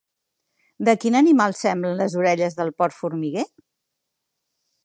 De quin animal semblen les orelles del porc formiguer?